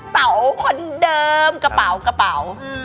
เต๋าคนเดิมกระเป๋ากระเป๋า